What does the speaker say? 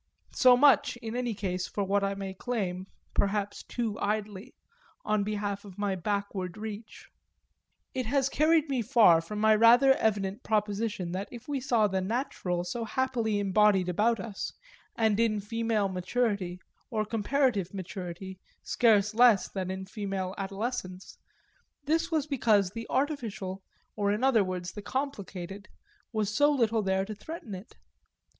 So much, in any case, for what I may claim perhaps too idly on behalf of my backward reach. It has carried me far from my rather evident proposition that if we saw the "natural" so happily embodied about us and in female maturity, or comparative maturity, scarce less than in female adolescence this was because the artificial, or in other words the complicated, was so little there to threaten it.